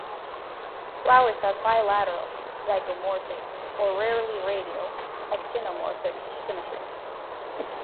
Flowers have bilateral (zygomorphic) or rarely radial (actinomorphic) symmetry.